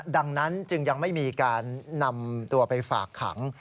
ดังนั้นจึงยังไม่มีการนำตัวไปฝากขัง